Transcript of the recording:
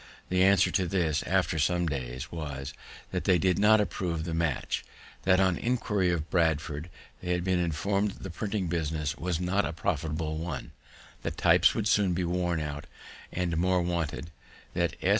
The answer to this, after some days, was, that they did not approve the match; that, on inquiry of Bradford, they had been informed the printing business was not a profitable one; the types would soon be worn out, and more wanted; that S.